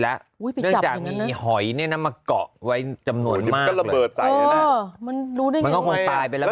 แล้วจากนี้หอยนี่น้ำมะเกาะไว้จำนวนมากมันรู้ได้ยังไงมันก็คงตายไปแล้ว